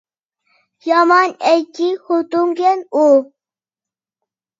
يامان ئەسكى خوتۇنكەن ئۇ!